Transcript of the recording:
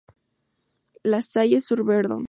Les Salles-sur-Verdon